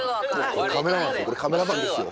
これカメラマンですよ。